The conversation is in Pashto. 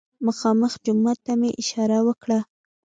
مخامخ جومات ته مې اشاره وکړه.